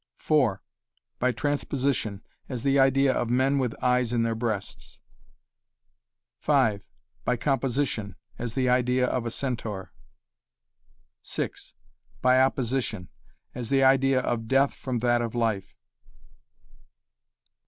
(4) by transposition, as the idea of men with eyes in their breasts. (5) by composition, as the idea of a Centaur. (6) by opposition, as the idea of death from that of life.